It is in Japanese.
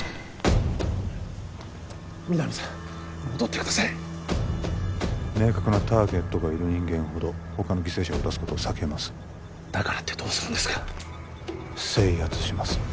皆実さん戻ってください明確なターゲットがいる人間ほどほかの犠牲者を出すことを避けますだからってどうするんですか制圧します